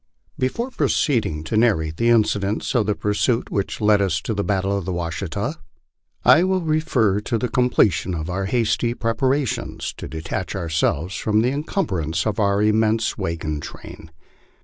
XV. BEFORE proceeding to narrate the incidents of the pursuit which led us tc the battle of the Washita, I will refer to the completion of our hasty preparations to detach ourselves from the encumbrance of our immense wagon train.